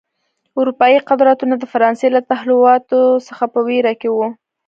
اروپايي قدرتونه د فرانسې له تحولاتو څخه په وېره کې و.